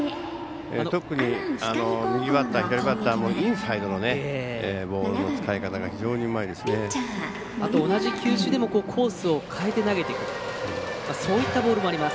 特に、右バッター、左バッターのインサイドのボールの使い方同じ球種でもコースを変えて投げてくるボールもあります。